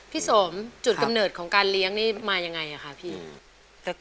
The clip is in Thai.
พี่สมจุดกำเนิดของการเลี้ยงนี่มายังไงคะพี่